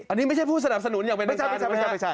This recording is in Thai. อันนี้ไม่ใช่ผู้สนับสนุนอย่างเป็นไม่ใช่